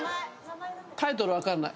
タイトル分かんない。